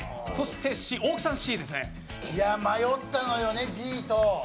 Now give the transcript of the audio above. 迷ったのよね、Ｇと。